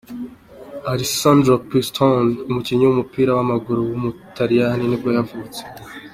Alessandro Pistone, umukinnyi w’umupira w’amaguru w’umutaliyani nibwo yavutse.